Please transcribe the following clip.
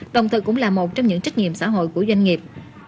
đồng thời cũng là một trong những trách nhiệm xã hội của doanh nghiệp